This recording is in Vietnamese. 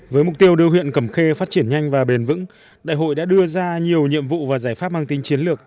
với mục tiêu đưa huyện cầm khê phát triển nhanh và bền vững đại hội đã đưa ra nhiều nhiệm vụ và giải pháp mang tính chiến lược